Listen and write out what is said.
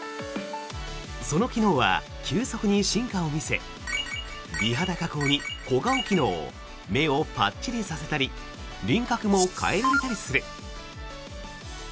その機能は急速に進化を見せ美肌加工に小顔機能目をパッチリさせたり輪郭も変えられたりする。